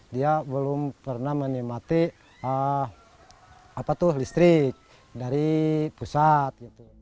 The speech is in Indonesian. dia belum pernah menikmati listrik dari pusat